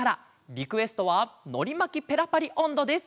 リクエストは「のりまきペラパリおんど」です。